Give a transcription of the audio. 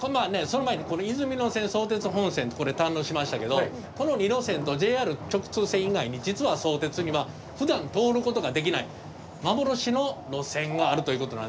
その前にいずみ野線相鉄本線これ堪能しましたけどこの２路線とＪＲ直通線以外に実は相鉄にはふだん通ることができない幻の路線があるということなんで